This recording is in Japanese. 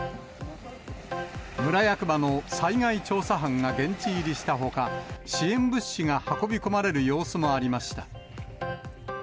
村役場の災害調査班が現地入りしたほか、支援物資が運び込まれる様子もありました。